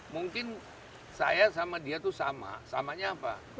mungkin saya sama dia itu sama samanya apa